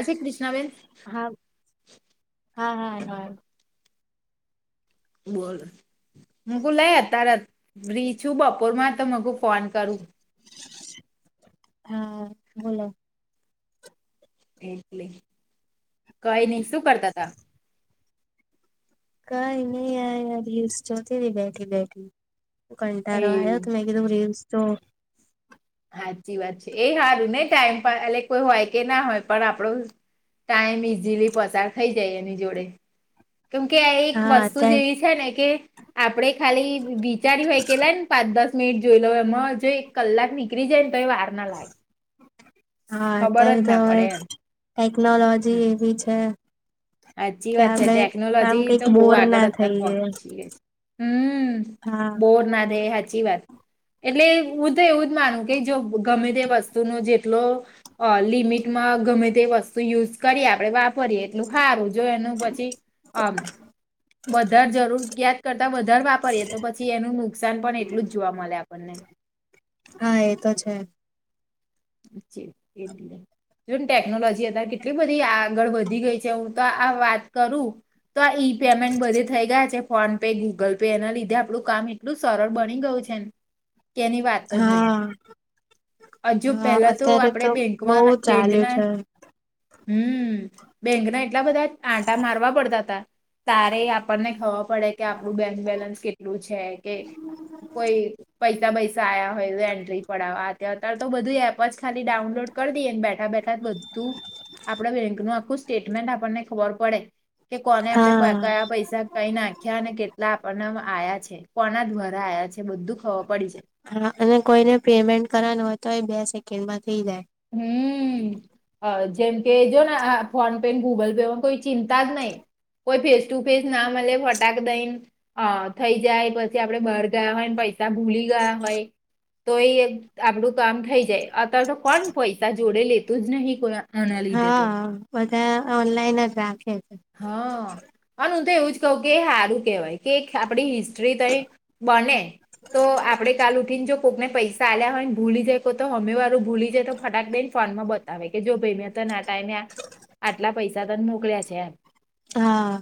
એસી કૃષ્ણ બેન. હા હા, હા, હા. બોલ હું બુલાએ અત તારા. બ્રિચુ બપોર માં તન મગો ફોન કરું. હા, બોલો. એટલે. કઈ નઈ શું કરતા તા? કઈ નહી અઈ યા રિલ્સ જોતી થી બેઠી બેઠી. કંટાળો આયો એવું તો મેં કીધું રીલ્સ જો હાચી વાત છે. એ હારું નઈ ટાઈમ પા એટલે કોઈ હોય કે ના હોય પણ આપડો ટાઈમ ઈઝીલી પસાર થઈ જાય એની જોડે. કેમકે આ એક હા વસ્તુ અત્યારે જેવી છે ને કે આપડે ખાલી વિચાર્યું હોય કે લાએ ને પાંચ દસ નીટ જોઈ લો એમાં જે એક કલાક ની ત્રી જાયને તો એ વાર ના લાગે. હા, ખબર અત્યારે જ તો ના હવે પડે એમ ટેકનોલોજી એવી છે. હાચી કે વાત છે. આપણે આમ ટેકનોલોજી કઈક તો બહુ બોર આગળ ના અત્યારે થઈએ પહોચી ગ છે. હમ્મ, હા બોર ના થાય હાચી વાત. એટલે હું તો એવું જ માનું કે જો ગમે તે વસ્તુ નું જે જો અહ લિમિટમાં ગમે તે વસ્તુ યુઝ કરીએ આપડે વાપરીએ હારું જો એનું પછી અહ વધારે જરૂરિયાત કરતા વધારે વાપરીએ તો પછી એનું નુકસાન પણ એટલું જ જોવા મળે આપણને. હા એ તો છે હાચ્ચે એટલે જો ને ટેકનોલોજી અત્યારે કેટલી બધી આગળ વધી ગઈ છે હું તો આ વાત કરું તો આ ઈ પેમેન્ટ બધે થઈ ગયા છે ફોન પે, ગૂગલ પે એના લીધે આપણું કામ એટલું સરળ બની ગયું છે ને કેની વાત જ નહી, હા અજુ હા પહેલા તો અત્યારે આપડે બહુ બેંકમાં ચાલ્યું બેંકના છે હમ, બેંકના એટલા બધા આંટા મારવા પડતા હતા. તારે આપણને ખબર પડે કે આપણું બેંક બેલેન્સ કેટલું છે, કે કોઈ પૈસા પૈસા આ્યા હોય તો એન્ટ્રી પડાવ અત્યારે તો બધું જ ખાલી ડાઉનલોડ કરી દઈએને બેઠા બેઠા બધું, આપડ બેંકનું આખું સ્ટેટમેન્ટ આપણને ખબર પડે. કે કોને આપડણે હા કયા પૈસા કઈ નાખ્યા અને કેટલા આપણને આયા છે. કોના દ્વારા આવ્યા છે બધું ખવા હા અને કોઈને પેમેન્ટ કરવાનું હોય તો એ બેસ સેકન્ડમાં થઈ જાય. હમ, જેમ કે જો ને ફોન પે ગૂગલ પેમાં કોઈ ચિંતા જ નહી. કોઈ ફેસ ટુ ફેસ ના મળે ફટાક દઈ ને થઈ જાય, પછી આપડે બાર ગયા હોય ને પ ત્યા ભૂલી ગયા હોય. તો એ આપડું કામ થઈ જાય, અત્યારે તો કોણ પૈસા જોડે લેતું જ ન કો આના લીધે તો. હા ઓનલાઈન જ રા હા, અન ઉં તો એવું જ તો કે હારું કેવાય કે એક આપડી હિસ ટ્રી તઈ બને તો આપડે કાલ ઉઠીને જો કોકને પૈસા આલ્યા હોય ને ભૂલી જાય કો તો હમે વારું ભૂલી જાય તો ફટાક દઈ ને ફોનમાં બતાવે કે જો ભઈ મેં તને આ ટાઈમે આટલા પૈસા તને મોકલ્યા છે એમ હા.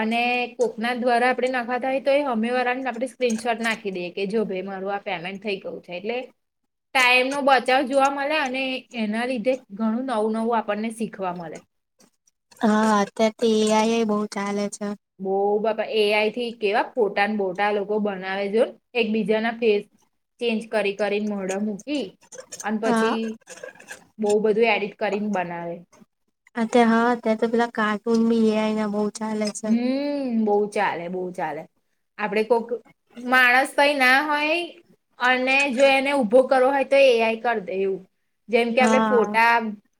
અને કોકના દ્વારા આપણે નખાતા હો તો એ હામે વારાને આપણે સ્ક્રીનશોટ નાખી દઈએ કે જો ભઈ મારું આ પેમેન્ટ થઈ ગયું છે એટલે ટાઈમનો બચાવ જોવા મલે અને એના લીધે ઘણું નવું નવું આપણને શીખવા મલે હા અત્યાર તો એ આઈ એ બઉ ચાલે છે. બોઉ [unintelligible] એ આઈ થી કેવા ફોટા ન બોટા લોકો બનાવે જો ન એક બીજાના ફેસ ચેન્જ કરી કરી ન મોઢા મૂકી અને હા પછી બઉ બધું એક ડિટ કરીન બનાવે અ ત હા તે તો પેલા કાર્ટૂન બી એ આય ના બઉ [unintelligible] બૌ ચાલે બઉ ચાલે આપડે કોક માણસ કઈ ના હોય અને જો એને ઊભો કરવો હોય તો એ આઈ કર દે એવું જેમ કે આપડે હા ફોટા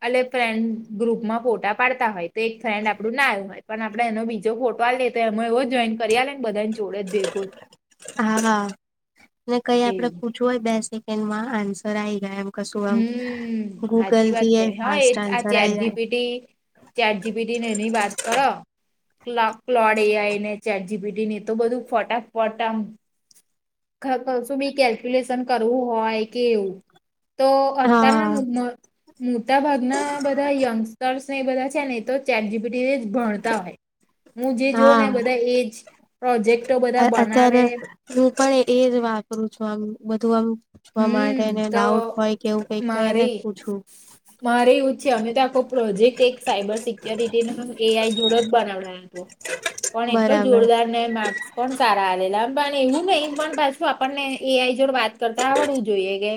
અને ફ્રેન્ડ ગ્રુપમાં ફોટા પાડતા હોય તો એક ફ્રેન્ડ આપડું ના આયુ હોય પન આ આપડે એનો બીજો લફોટો આલ્યે તો એમાં એવો જોઈન કરી આલેને બધાન જોડે જ ભેગો હા ને કંઈ આપડે એવું પૂછવું હોય બેસી એમાં આન્સર આઈ ગયા એમ. કશું એમ હમ્મ, ગૂગલ હાચી વાત થી છે. હા એ ફાસ્ટ આ આન્સર ચેટ આઈ જી જાય P T chat G P T ને એની વાત કરો કલા કલોડ એ આઈ ને ચેટ જી પી ટી ને એ તો બધું ફટાફટ આમ ખ ખશું બી કેલ્ક્યુલેશન કરવું હોય કે એવું તો અત્યારના મુ હા મ મોટા ભાગના બધા યંગસ્ટર્સ ને એ બધા છે ને એ તો ચેટ જી પી ટી એજ ભણતા હોય. હું જે જોઉ ને બધા એજ પ્રોજેક્ટ અહ અત્યારે [inaudible] પણ એજ વાપરું છું આમ બધું આમ પૂછવા માટે હમ્મ, એને તો ડાઉટ હોય કે એવું કઈક તો એને મારે જ પૂછવું મારે એવું છે અમે તો આખો પ્રોજેક્ટ એક સાઈબર સિક્યોરિટીને એ આઈ જોડે જ બનાવડ્યો હતો. પણ એટલો બરાબર જોરદાર ને માર્ક્સ પણ સારા આવેલા પણ એવું નહીં પણ પાછું આપણને કે એ આઈ જોડે વાત કર તા આવડવું જોઈએ કે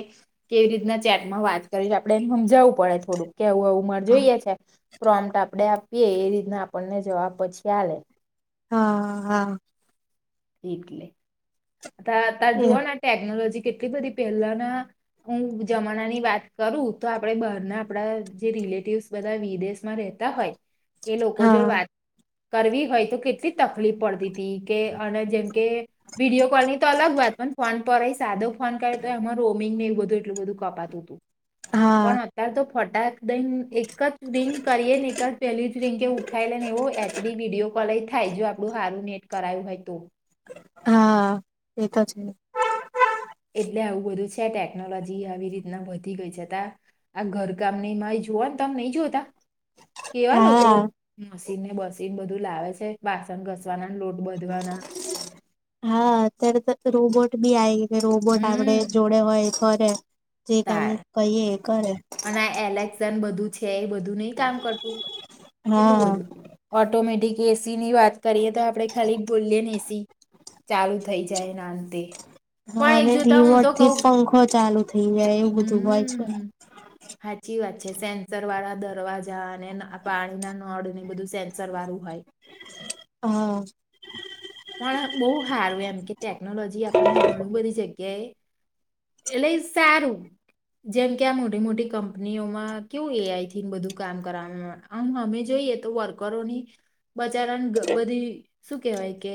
કેવી રીતના ચેટમાં વાત કરી છે આપડણે એને સમજાવવું પડે થોડું. કે આવું આવું મારે હા જોઈએ છે. પ્રોમટ આપડે આપીએ એ રીતના આપણને જવાબ પછી આલે. હા હા. એટલે. તા અતારે એ જુવો ને આ ટેકનોલોજી કેટલી બધી પહેલાના હું જમાનાની વાત કરું તો આપણેે બહારના આપડા જે રિલેટિવસ બધા વિદેશમાં રતા હોય એ લોકો જોડે હા વાત કરવી હોય તો કેટલી તકલીફ પડતી તી કે અને જેમ કે વિડીયો કોલની તો અલગ વાત પણ ફોન પર એ સાદો ફોન કરે તો એમાં રોમિંગ ને એવ બધું એટલું બધું કપાતું તુંતું. હા પણ અત્યારે તો હોટાત દ એક જ રિંગ કરીએ ને એક જ પહેલી જ રિંકે ઉઠાવી લ ને એવો એચ. ડી વિડીયો કોલય થાય જો આપડું હારુ નેટ કરાયું હોય તો. હા એ તો છે. એટલે આવું બધું છે ટેકનોલોજી આવી રીતના વધી ગઈ છે. છતા આ ઘરકામની જોવા તમ નહી જોતા. કેવા લોકો હા મસ ઘી ને મશીન ને બસીન બધું લાવે છે વાસણ ઘસવાના ને લોટ બાંધવાના. હા અત્યારે તો રોબોટ બી આયે. ને રોબોટ આપડે હમ જોડે હોય. ફરે. જે કામ તાર કહીએ એ કરે અને આ એલેક્સા ન બધું છે એ બધું નઈ કામ કરતું કેટલું હા બધું ઓટોમેટિક કેસ સી ની વાત કરીએ તો આપડે ખાલી બુલીએ ને એ સી ચાલુ થઈ જાય એના અંતે હા પણ એક અને જોતા રિમોટ ઉંતો કઉ થી પંખો ચાલુ થઈ જાય એવું બધું હોય છે હમ્મ, સાચી વાત છે સેન્સર વાળા દર વાજા ન ને ન અ પાણીના નળ ને બધું સેન્સર વારુ હોય. હા પણ બઉ હારું એમ કે ટેકનોલોજી આપણને ઘણી બધી જગ્યાએ એટલે સારું જેમ કે આ મોટી મોટી કંપનીઓમાં કેવું એ આઈ થી ન બધું કામ કરવામાં આમ હામે જોઈએ તો વર્કરોની બચારાને બધી શું કેવાય કે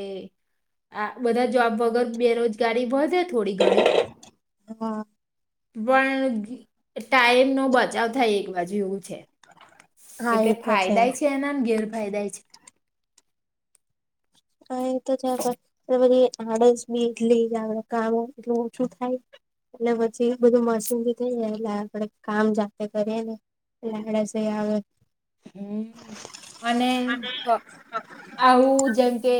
આ બધા જોબ વગર બેરોજગારી વધે થોડી ઘણી હા વણ ટાઈમનો બચાવ થાય એક બાજુ એવું છે હા એટલે એ તો ફાયદાય છે એના ન ગેરફાયદાય છે. હા એમ તો છે પણ એ બધી આડસ બી એટલી ને આપડે કામ એટલું ઓછું થાય એટલે પછી બધું મશીન થી થઈ જાય એટલે આપડે કામ જાતે કરીએ ન એટલે આડસેય આવે અને અ આવું જેમ કે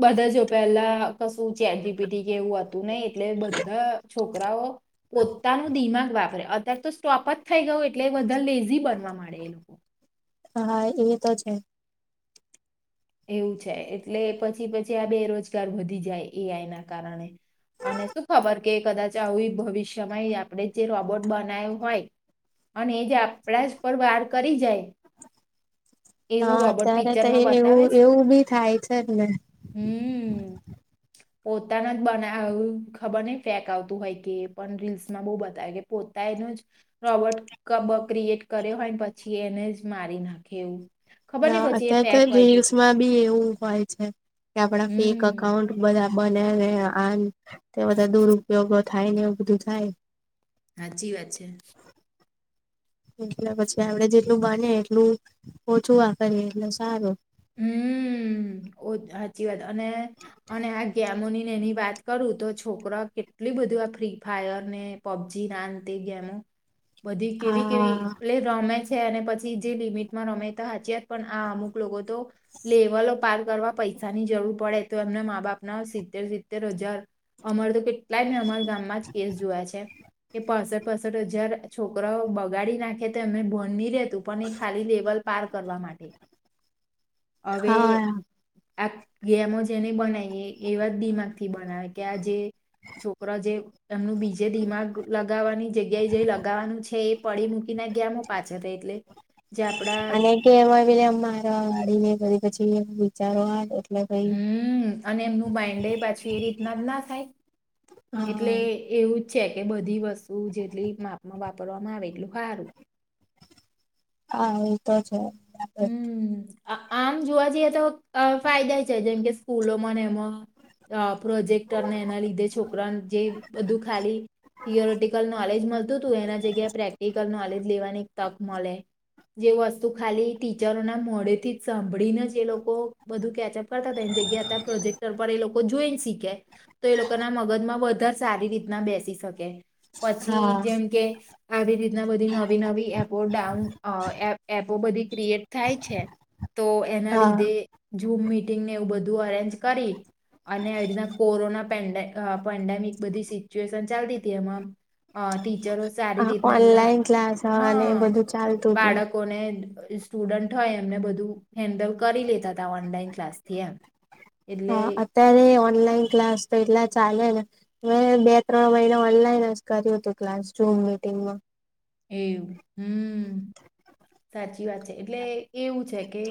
બધા જો પેલા કશું ચેટ જી પી ટી કે એવું હતું નહ એટલે બધા છોકરાઓ, પોતાનું દિમાગ વાપરે અત્યારે તો સ્ટોપ જ થઈ ગયોું એટલે બધા લેઝી બનવા માંડેલા. હા એ તો છે. એવું છે એટલે પછી પછી આ બેરોજગાર વધી જાય, એ આઈ ના કારણે અને શું ખબર કે કદાચ આવી ભવિષ્યમાં આપણે જે રોબોટ બનાવ હોય, અને એ જે આપણા પર વાર કરી જાય. એવું હા રોબોટ ત્યારે તો એ પિક્ચરમાં એું બતાવે છે એવું બી થાય છે ને. પોતાના જ બના ખબર ન ફેક આવતું હોય કે પણ રીલ્સમાં બહ બતાવે કે પોતા એનું જ રોબોટ ક ક્રિએટ કર્યો હોયને પછી એને જ મારી નાખે એવું. ખબર નય હા પછી એ અત્યારે તો ફેક હોય કે શું રીલ્સમાં બી એવું હોય છે કે આપડા ફેક હમ અકાઉન્ટ બધા બને્યા છે, આન તે, બધા દુરુપયોગો થાય ને, એવું બધું થાય સાચી વાત છે. એટલે પછી, આપડે જેટલું બને એટલું ઓછુંવા કરીએ, એટલે સારું. હમ, સાચી વા અને, અને આ ગેમોની. એની વાત કરું, તો છોકરા કેટલી બધું આ ફ્રી ફાયર, ને પબજી નાનતી, ગેમો. બધી કેવી, કેવી હા એટ રોમે છે અને પછી જે લિમિટમાં રમેતા હચયત, પણ આ અમુક લોકો. તો લેવલો પાર, કરવા પૈસાની જરૂર પડે. તો એમના મા બાપના સિત્તેર, સિત્તેર હજાર. અમાર તો કેટલાય મેં અમારા, ગામમાં જ કેસ જોયા છે. કે પાસઠ, પાસઠ હજાર છોકરાઓ બગાડી, નાખે તો અમે ભણની ર તું પણ એ ખાલી લેવલ પાર, કરવા માટે. હવે હા આ ગેમો જેને બનાવીએ એવા જ દિમાગ થી, બનાવે કે આ જે છોકરો જે એમનું બીજે દિમાગ લગાવવાની જગ્યાએ જે લગાવવાનું છે, એ પડી મૂકીને ગેમો પાછળ, થ એટલે જે આપડા અને, કે એમા. [unintelligible] ને પછી, વિચારો. એટલે પહી હમ, અને એમનું બાઇન્ડે પાછી એ રીતના જ ના થાય, એટલે હા એવું. છે, કે બધી વસ્તુ જેટલી માપમાં વાપરવામા, આવે એટલું સારું. હા, એતો છે. બરાબર. હમ. આમ જોવા જઈએ, તો ફાયદા છે, જેમ કે સ્કૂલોમાં ને એમાં પ્રોજેક્ટર, ને એના લીધે છોકરાને જે બધું, ખાલી થિયોરેટિકલ નોલેજ મળ. ત એના જગ્યાએ પ્રેક્ટિકલ નોલેજ લેવાની, તક મળે જે વસ્તુ ખાલી ટીચરોના મોે થી જ સાંભળીને જ એ લોકો, બધું કેચઅપ કરતા હતા એની જગ્યા, હતા પ્રોજેક્ટર પર એ લોકો જોઈને, શીખે. તો એ લોકોના મગજમાં. ધર સારી રીતના, બેસી શકે. પછી, હા જેમ કે. આવી રીતના બધી નવી, નવી એપો ડાઉન એપો બધી ક્રિએટ, થાય છે. તો એના હા લીધે જુ મી એ બધું અરેન્જ કરી, અને એના કોરોનાપડને, પડાવિક બધી સિચ્યુએશન ચાલતી તી હવા આ ટીચરઓ. હ ઓનલાઈન ક્લાસ હવા અને એ બધું ચાલતું જ હોય. બાળકોને સ્ટુડન્ટ હોય એમને બધું હેન્ડલ કરી લેતાતા ઓનલાઈન ક્લાસથી એમ. એટલે અત્યારે ઓનલાઇન ક્લાસ તો એટલા ચાલેને મેં બે ત્રણ મહિને ઓનલાઈન જ કર્યું હતું ક્લાસ જૂમ મિટિંગમાં એવું હમ્મ, સાચી વાત છે એટલે એવું છે કે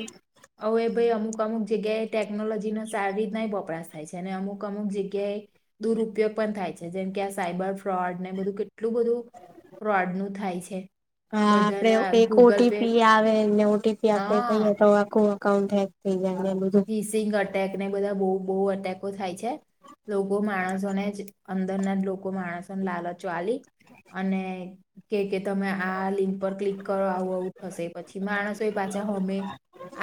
અવે એ ભાઈ અમુક અમુક જગ્યાએ ટેકનોલોજીનો સારી રીતનાય વપરાશ થાય છે અને અમુક અમુક જગ્યાએ દુરપયોગ પણ થાય છે જેમ કે આ સાયબર ફ્રોડ ને બધું કેટલું બધું ફ્રોડ નું થાય છે. હા આપણે એક ઓ ગૂગલ ટી પે પી આવેને આપણેે કહીએ તો ખુ અકાઉન્ટ હેક થઈ જાય. ને બધું [unintelligible] અટેકને બધા બહુ બહુ અટેકો થાય છે. લોકો માણસોને જ અંદરના જ લોકો માણસોને લાલચ આલી અને કેય કે તમે આ લિંક પર ક્લિક કરો આવું આવું થશે પછી માણસોય પાછા હમે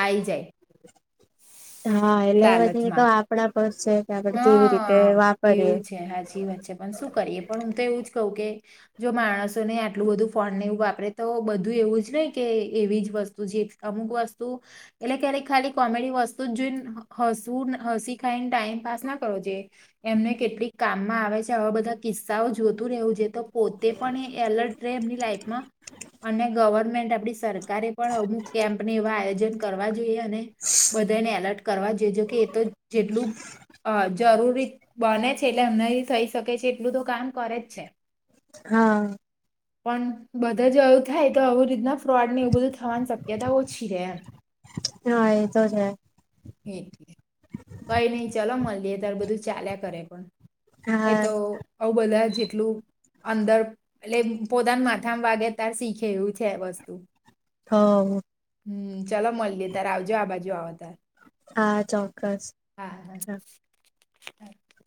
આઈ જાય. હા એટલે પછી તો લાલચમાં આપણા હા એવું છે હાચી વાત છે પણ શું કરીએ પણ હું તો એવું જ કહું કે જો માણસ તો નહીં આલું બધું ફોનને એવું વા પરે તો બધું એવું જ નહીં કે એવી જ વસ્તુ જે અમુક વસ્તુ એટલે ક્યારેક ખાલી કોમેડી વસ્તુ જ જોઈને હસવું હસી ખાઈને ટાઈમ પાસ ના કરો જે એમને કેટલીક કામમાં આવે છે આવા બધા કિસ્સાઓ જોતું રહેવું જોઈએ તો પોતે પણ એ એલર્ટ રેહ એમની લાઈફમાં અને ગવર્મેન્ટ આપણી સરકારે પણ અમુક કેમ્પને એવા આયોજન કરવા જોઈએ અને બધાને એલર્ટ કરવા જોઈએ જોકે એ તો જેટલું હ જરૂરી બને છે એટલે એમના થઈ શકે છે એટલું તો કામ કરે જ છે. હા. પણ બધા જો આવું થાય તો આવું રીતના ફ્રોડની ઉભું થવાની શક્યતા ઓછી રે એમ હા એ તો છે એટલે કઈ નહીં. મલીએ ત્યારે બધું ચાલ્યા કરે પણ એ હા તો આવું બધા જ એટલું અંદર એટલે પોતાના માથામાં વાગે ત્યારે શીખે એવું છે એ વસ્તુ. હ. હમ્મ, ચાલો મલીએ તાર આવજો આ બાજુ આવો તાર. હા, ચોક્કસ. હ [inaudible]